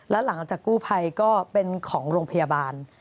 แล้วหลังจากกู้ภัยก็เป็นของโรงพยาบาล